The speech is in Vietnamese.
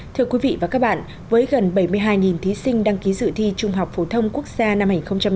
thưa quý vị và các bạn với gần bảy mươi hai thí sinh đăng ký dự thi trung học phổ thông quốc gia năm hai nghìn một mươi chín